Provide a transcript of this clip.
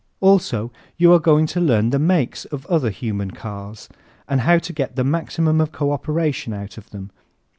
Also you are going to learn the makes of other human cars, and how to get the maximum of co operation out of them.